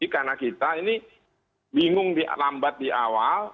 karena kita ini bingung lambat di awal